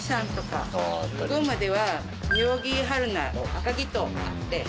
群馬では妙義榛名赤城とあって。